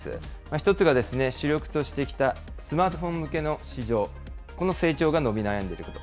１つが主力としてきたスマートフォン向けの市場、この成長が伸び悩んでいること。